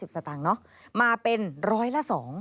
๑๕๐สตางค์เนอะมาเป็น๑๐๐ละ๒สตางค์